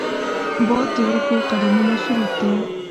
باد د ورکو قدمونو سرود دی